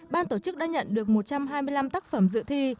ban tổ chức đã nhận được một trăm hai mươi năm tác phẩm dự thi